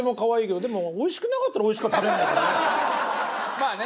まあね。